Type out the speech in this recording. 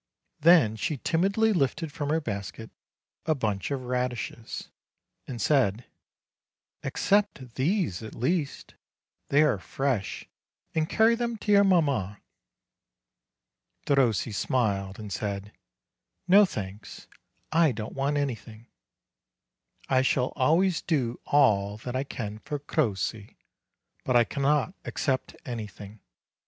Then she timidly lifted from her basket a bunch of radishes, and said: "A'ccept these at least, they are fresh, and carry them to your mamma." Derossi smiled, and said : "No, thanks : I don't want anything; I shall always do all that I can for Crossi, but I cannot accept anything.